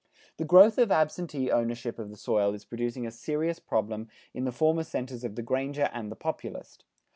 The growth of absentee ownership of the soil is producing a serious problem in the former centers of the Granger and the Populist.